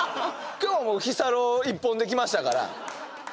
今日はもう「日サロ」一本で来ましたから。